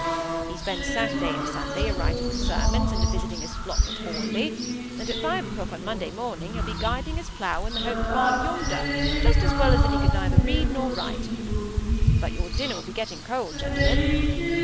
He spends Saturday and Sunday a writing sermons and a visiting his flock at Hornby; and at five o"clock on Monday morning he'll be guiding his plough in the Hope Farm yonder just as well as if he could neither read nor write. But your dinner will be getting cold, gentlemen."